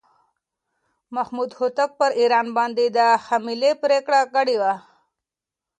محمود هوتک پر ایران باندې د حملې پرېکړه کړې وه.